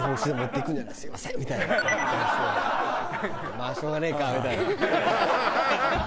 「まあしょうがねえか」みたいな。ハハハハ！